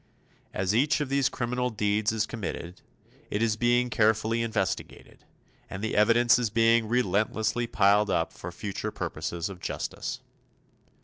As each of these criminal deeds is committed, it is being carefully investigated; and the evidence is being relentlessly piled up for the future purposes of justice.